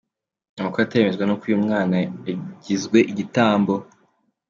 Amakuru ataremezwa ni uko uyu mwana yagizwe igitambo.